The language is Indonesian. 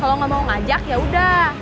kalau gak mau ngajak yaudah